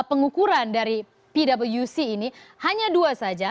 pengukuran dari pwc ini hanya dua saja